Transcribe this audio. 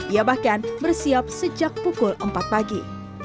ia bahkan bersiap sejak pukul empat pagi